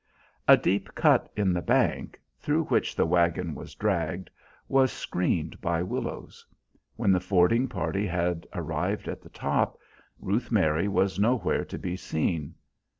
A deep cut in the bank, through which the wagon was dragged, was screened by willows. When the fording party had arrived at the top, Ruth Mary was nowhere to be seen.